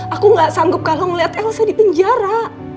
aku gak sanggup kalau melihat elsa di penjara